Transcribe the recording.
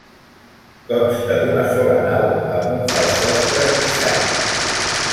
Consta d'una sola nau, amb un fals sostre enguixat.